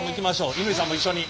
乾さんも一緒に。